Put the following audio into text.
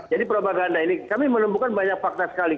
jadi propaganda ini kami menemukan banyak fakta sekali